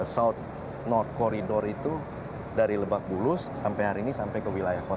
south not corridor itu dari lebak bulus sampai hari ini sampai ke wilayah kota